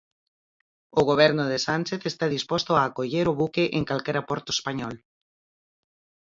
O Goberno de Sánchez está disposto a acoller o buque en calquera porto español.